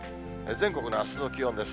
全国のあすの気温です。